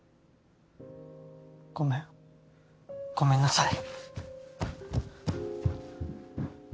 ごめんごめんなさい。